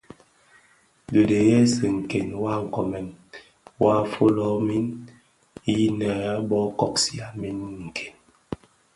Dhi dhesi nken wa nkonen waa folomin innë bo kosigha min nken.